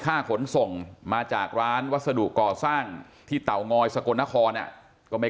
ขนส่งมาจากร้านวัสดุก่อสร้างที่เตางอยสกลนครก็ไม่